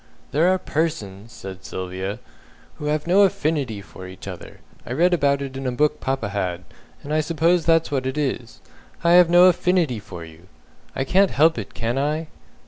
"There are persons," says Sylvia, "who have no Affinity for each other. I read about it in a book papa had, and I suppose that's what it is. I have no Affinity for you. I can't help it, can I?"